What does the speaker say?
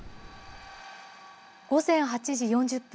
午前８時４０分